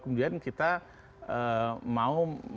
kemudian kita mau